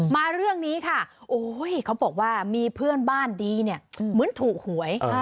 มาเรื่องนี้ค่ะโอ้ยเขาบอกว่ามีเพื่อนบ้านดีเนี่ยเหมือนถูกหวย